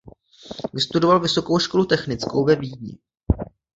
Vystudoval vysokou školu technickou ve Vídni.